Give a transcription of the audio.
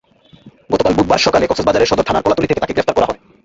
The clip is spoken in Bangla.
গতকাল বুধবার সকালে কক্সবাজারের সদর থানার কলাতলী থেকে তাঁকে গ্রেপ্তার করা হয়।